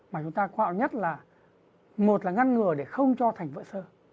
mà chúng ta khoa học nhất là một ngăn ngừa để không cho thành vữa sơ